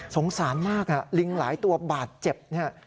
สงสารมากลิงหลายตัวบาดเจ็บเนี่ย